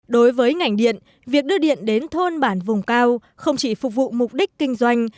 đối với ngành điện việc đưa điện đến thôn bản vùng cao không chỉ phục vụ mục đích kinh doanh